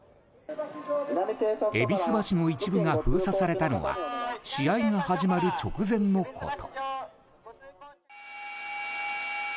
戎橋の一部が封鎖されたのは試合が始まる直前のこと。